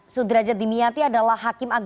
sudrajat dimiati adalah hakim agung